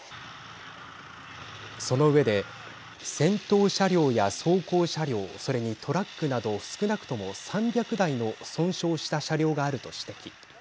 その上で戦闘車両や装甲車両それにトラックなど少なくとも３００台の損傷した車両があると指摘。